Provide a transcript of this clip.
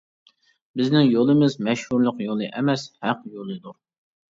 بىزنىڭ يولىمىز مەشھۇرلۇق يولى ئەمەس ھەق يولىدۇر.